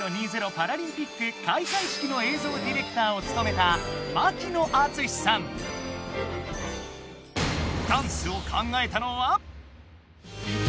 パラリンピック開会式の映像ディレクターをつとめたダンスを考えたのは。